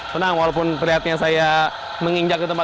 tenang walaupun ini masih berubah jadi kurang bersih